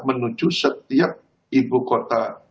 menuju setiap ibu kota